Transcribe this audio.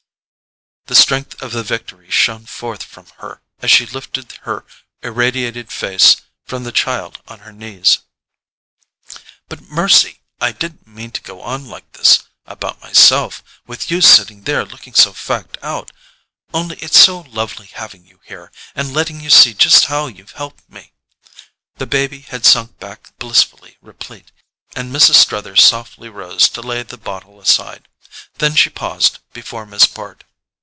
The strength of the victory shone forth from her as she lifted her irradiated face from the child on her knees. "But, mercy, I didn't mean to go on like this about myself, with you sitting there looking so fagged out. Only it's so lovely having you here, and letting you see just how you've helped me." The baby had sunk back blissfully replete, and Mrs. Struther softly rose to lay the bottle aside. Then she paused before Miss Bart.